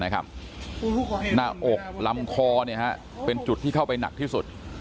หน้าอกลำคอเป็นจุดที่เข้าไปหนักที่สุด